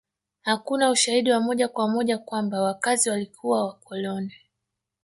Hakuna ushahidi wa moja kwa moja kwamba wakazi walikuwa wakoloni